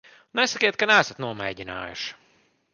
Nesakiet, ka neesat nomēģinājuši.